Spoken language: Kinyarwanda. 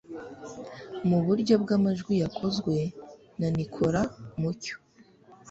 mu buryo bw'amajwi yakozwe na nicolas mucyo